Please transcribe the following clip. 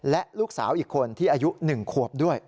และลูกสาวอีกคนที่อายุ๑ขวบด้วย